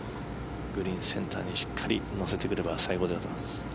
グリーン、センターにしっかり乗せてくれば最高だと思います。